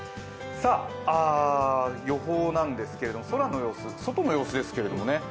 予報ですけど、空の様子、外の様子ですけどね。